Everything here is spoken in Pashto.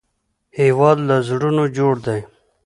هېواد له زړونو جوړ دی